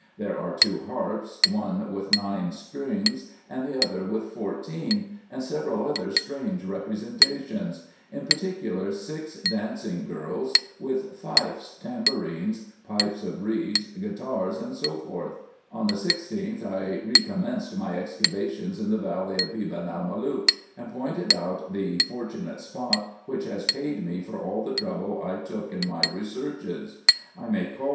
There are two harps, one with nine strings, and the other with fourteen, and several other strange representations : in particular, six dancing girls, with fifes, tambourins, pipes of reeds, guitars, &c. On the 16th I recommenced my excavations in the valley of Beban el Malook, and pointed out the fortunate spot, which has paid me for all the trouble I took in my researches. I may call IN EGYPT, NUBIA, &c.